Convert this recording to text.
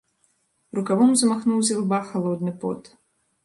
Рукавом змахнуў з ілба халодны пот.